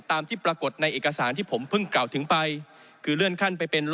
ตามที่ปรากฏในเอกสารที่ผมเพิ่งกล่าวถึงไปคือเลื่อนขั้นไปเป็น